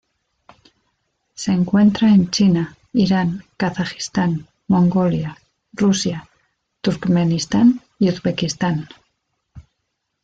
Se encuentra en China, Irán, Kazajistán, Mongolia, Rusia, Turkmenistán y Uzbekistán.